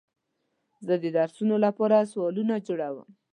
زه د درسونو لپاره سوالونه جوړوم.